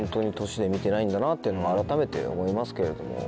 年で見てないんだなっていうのは改めて思いますけれども。